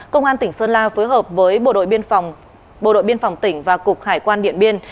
công an tỉnh sơn la phối hợp với bộ đội biên phòng tỉnh và cục hải quan điện biên